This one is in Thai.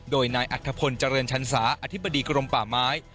โดยนายอัธพลเจริญชันสาอธิบดีกรมป่าไม้